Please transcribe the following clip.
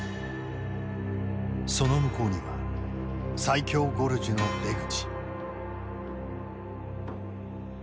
その向こうには最狭ゴルジュの出口。